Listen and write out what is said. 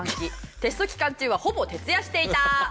「テスト期間中はほぼ徹夜していた」。